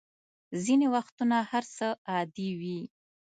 ځینې وختونه هر څه عادي وي.